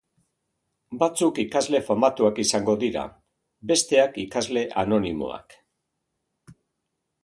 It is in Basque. Batzuk ikasle famatuak izango dira, besteak ikasle anonimoak.